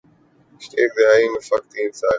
پچھلی ایک دہائی میں فقط تین سال